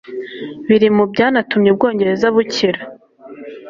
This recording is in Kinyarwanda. biri mu byanatumye u Bwongereza bukira